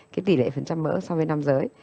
cái tỷ lệ phần trăm mỡ so với nam giới